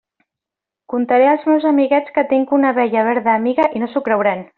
Contaré als meus amiguets que tinc una abella verda amiga i no s'ho creuran.